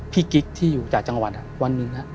กิ๊กที่อยู่จากจังหวัดวันหนึ่ง